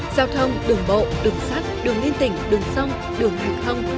giao thông đường bộ đường sắt đường liên tỉnh đường sông đường hàng không